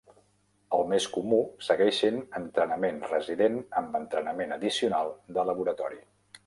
El més comú segueix sent entrenament resident amb entrenament addicional de laboratori.